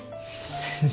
先生。